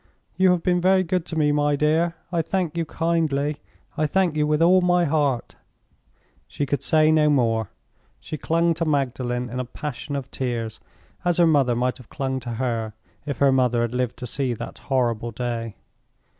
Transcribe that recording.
"You have been very good to me, my dear; I thank you kindly; I thank you with all my heart." She could say no more; she clung to Magdalen in a passion of tears, as her mother might have clung to her, if her mother had lived to see that horrible day.